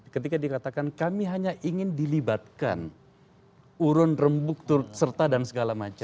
ketika dikatakan kami hanya ingin dilibatkan urun rembuk turut serta dan segala macam